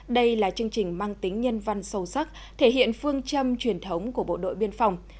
đây là chương trình mang tính nhân văn sâu sắc thể hiện phương châm truyền thống của bộ đội biên phòng